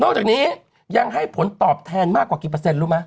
จากนี้ยังให้ผลตอบแทนมากกว่ากี่เปอร์เซ็นรู้ไหม